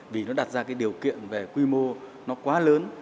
vì nó đặt ra cái điều kiện về quy mô nó quá lớn